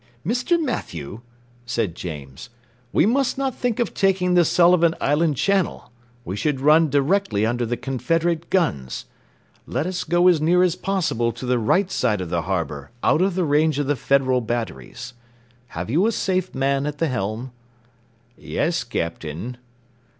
"Mr. Mathew," said James, "we must not think of taking the Sullivan Island channel; we should run directly under the Confederate guns. Let us go as near as possible to the right side of the harbour out of range of the Federal batteries. Have you a safe man at the helm?" "Yes, Captain."